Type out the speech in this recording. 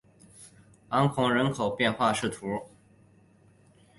昂孔人口变化图示